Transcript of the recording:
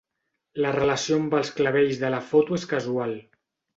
La relació amb els clavells de la foto és casual.